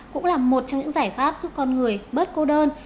cũng là một trong những giải pháp giúp con người bớt cô đơn